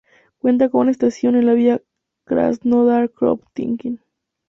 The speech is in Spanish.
Cuenta con una estación en la vía Krasnodar-Kropotkin.